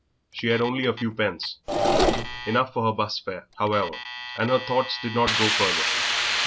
She had only a few pence; enough for her 'bus fare, however, and her thoughts did not go further.